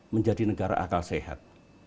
menjadi negara akal sehat